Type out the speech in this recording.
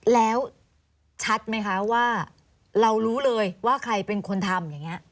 แล้วชัดไหมคะว่าเรารู้เลยว่าใครเป็นคนทำอย่างนี้